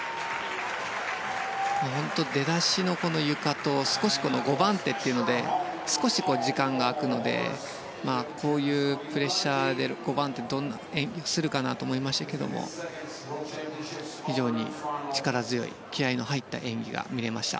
出だしのゆかと５番手というので少し時間が空くのでこういうプレッシャーで５番手、どんな演技をするかなと思いましたけど非常に力強い気合の入った演技が見れました。